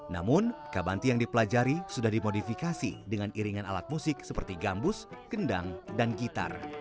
namun kabanti yang dipelajari sudah dimodifikasi dengan iringan alat musik seperti gambus kendang dan gitar